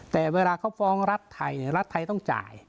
แต่เวลาเขาฟ้องรัฐไทยรัฐไทยต้องจ่าย